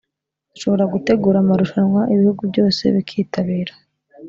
dushobora gutegura amarushanwa ibihugu byose bikitabira